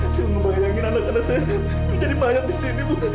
saya mau ngebayangin anak anak saya menjadi bayang di sini bu